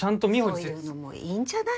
そういうのもういいんじゃない？